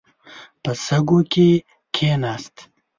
په شګو کې کښیناست.